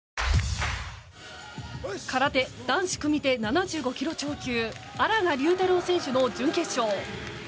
空手男子組手７５ｋｇ超級荒賀龍太郎選手の準決勝。